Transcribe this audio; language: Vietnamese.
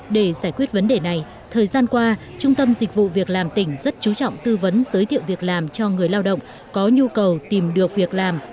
để giải quyết vấn đề này thời gian qua trung tâm dịch vụ việc làm tỉnh rất chú trọng tư vấn giới thiệu việc làm cho người lao động có nhu cầu tìm được việc làm